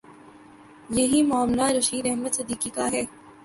یہی معاملہ رشید احمد صدیقی کا ہے۔